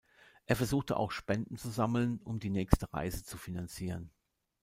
Er versuchte auch Spenden zu sammeln, um die nächste Reise zu finanzieren.